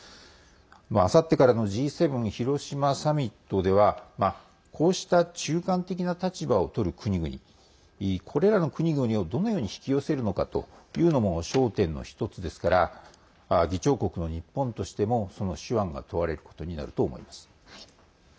あさってからのＧ７広島サミットではこうした中間的な立場をとる国々これらの国々をどのように引き寄せるかというのも焦点の１つですから議長国の日本としてもその手腕が問われることになると思います。